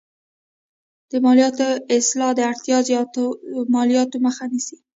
د مالیاتو اصلاح د اړتیا زیاتو مالیاتو مخه نیسي.